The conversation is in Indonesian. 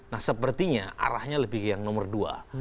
nah sepertinya arahnya lebih ke yang nomor dua